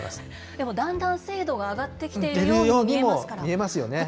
でもだんだん精度が上がってきているように見えますから。